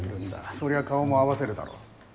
そりゃ顔も合わせるだろう。